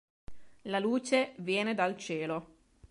La luce viene dal cielo".